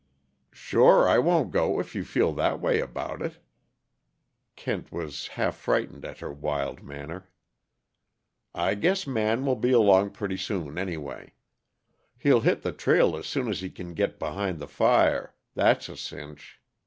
"Sure I won't go if you feel that way about it." Kent was half frightened at her wild manner. "I guess Man will be along pretty soon, anyway. He'll hit the trail as soon as he can get behind the fire, that's a cinch.